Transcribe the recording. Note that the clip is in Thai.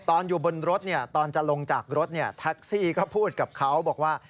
ตอนอยู่บนรถตอนจะลงจากรถแท็กซี่ก็พูดกับเขาบอกว่า